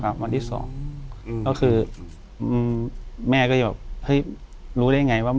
วันที่สองอืมก็คืออืมแม่ก็จะแบบเฮ้ยรู้ได้ไงว่า